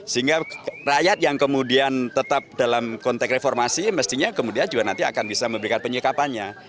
sehingga rakyat yang kemudian tetap dalam konteks reformasi mestinya kemudian juga nanti akan bisa memberikan penyekapannya